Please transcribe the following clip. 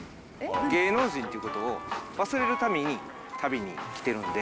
芸能人ということを忘れるために旅に来てるんで。